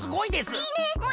いいね！